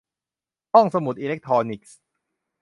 ห้องสมุดอิเล็กทรอนิกส์